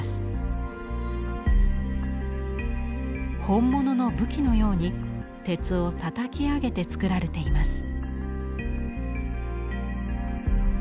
本物の武器のように鉄をたたき上げて作られています。